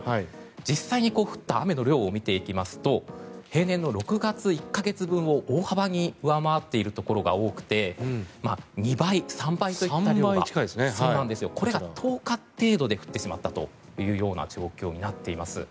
実際に降った雨の量を見ていきますと平年の６月１か月分を大幅に上回っているところが多くて２倍、３倍といった量がこれが１０日程度で降ってしまったという状況になっています。